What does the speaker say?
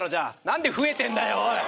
何で増えてんだよおい。